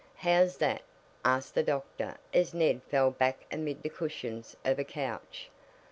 "How's that?" asked the doctor as Ned fell back amid the cushions of a couch.